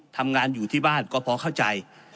ทำงานอยู่ที่บ้านก็พอเข้าใจ